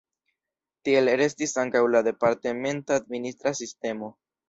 Tiel restis ankaŭ la departementa administra sistemo.